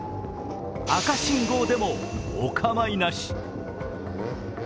赤信号でもお構いなし。